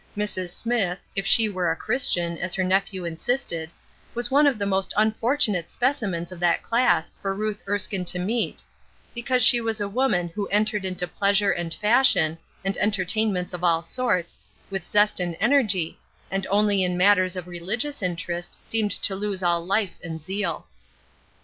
Mrs. Smithe, if she were a Christian, as her nephew insisted, was one of the most unfortunate specimens of that class for Ruth Erskine to meet; because she was a woman who entered into pleasure and fashion, and entertainments of all sorts, with zest and energy and only in matters of religious interest seemed to lose all life and zeal.